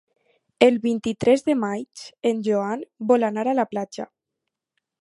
El vint-i-tres de maig en Joan vol anar a la platja.